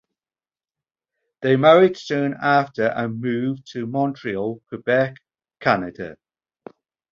They married soon after and moved to Montreal, Quebec, Canada.